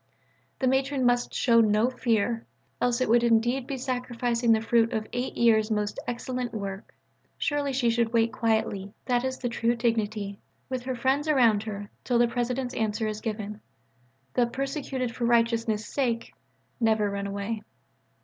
The Matron must show no fear, else it would indeed be sacrificing the fruit of eight years' most excellent work. Surely she should wait quietly that is the true dignity with her friends around her till the President's answer is given. The "persecuted for righteousness' sake" never run away.